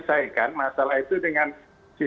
seorang masyarakat yang milih